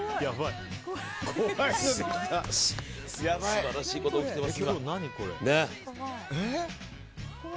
素晴らしいことが起きてます。